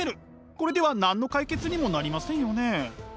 これでは何の解決にもなりませんよね。